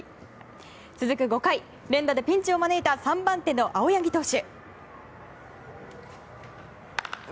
続く５回連打でピンチを招いた３番手の青柳投手。